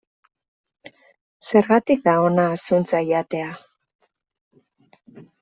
Zergatik da ona zuntza jatea?